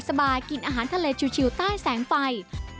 กินอาหารทะเลชิวใต้แสงไฟ